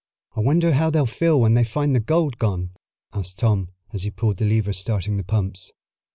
"I wonder how they'll feel when they find the gold gone?" asked Tom as he pulled the lever starting the pumps.